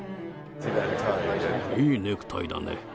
いいネクタイだね。